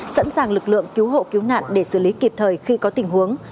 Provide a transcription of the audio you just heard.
sẵn sàng lực lượng cứu hộ cứu nạn để xử lý kịp thời khi có tình huống